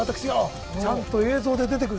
ちゃんと映像で出てくるんですね。